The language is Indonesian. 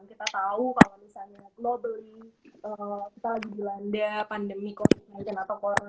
kita tahu kalau misalnya globally kita lagi dilanda pandemi covid sembilan belas atau corona